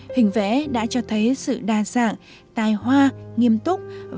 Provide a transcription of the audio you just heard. hình vẽ đã cho thấy sự đa dạng tài hoa tự nhiên tự nhiên